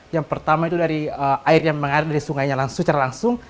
yang pertama itu dari air yang mengalir dari sungainya langsung secara langsung